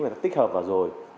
người ta tích hợp vào rồi